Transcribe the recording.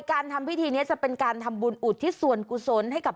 การทำพิธีนี้จะเป็นการทำบุญอุทิศส่วนกุศลให้กับ